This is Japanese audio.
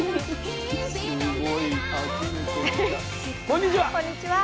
こんにちは。